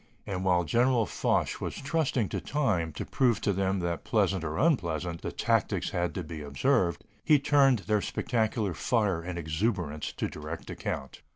And while General Foch was trusting to time to prove to them that, pleasant or unpleasant, the tactics had to be observed, he turned their spectacular fire and exuberance to direct account.